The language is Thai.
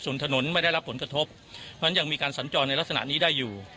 ส่วนถนนไม่ได้รับผลกระทบเพราะฉะนั้นยังมีการสัญจรในลักษณะนี้ได้อยู่